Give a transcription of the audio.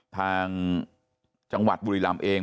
ทางจังหวัดบุรีรำเอง